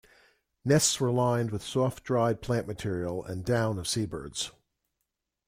Nests were lined with soft dried plant material and down of seabirds.